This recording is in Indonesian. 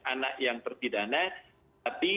anak yang terpidana tapi